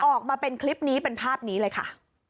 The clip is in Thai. ออกมาเป็นคลิปนี้เป็นภาพนี้เลยค่ะ